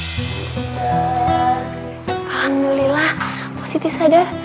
alhamdulillah positi sadar